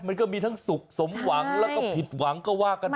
มันก็มีทั้งสุขสมหวังแล้วก็ผิดหวังก็ว่ากันไป